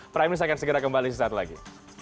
prime minister akan segera kembali suatu saat lagi